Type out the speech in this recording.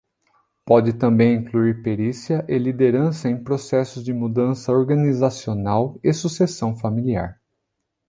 Pode também incluir perícia e liderança em processos de mudança organizacional e sucessão familiar.